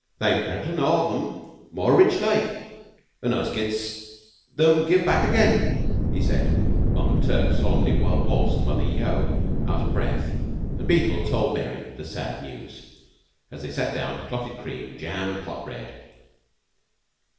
"They'm better to Northam more rich, laike an' us gets them give back again," he said, while McTurk solemnly waltzed Mother Yeo out of breath, and Beetle told Mary the sad news, as they sat down to clotted cream, jam, and hot bread.